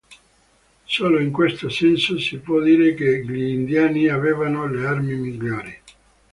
Solo in questo senso si può dire che gli indiani avevano le armi migliori.